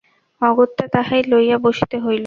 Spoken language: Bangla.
অগত্যা তাহাই লইয়া বসিতে হইল।